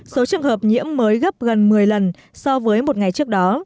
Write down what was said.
số trường hợp nhiễm mới gấp gần một mươi lần so với một ngày trước đó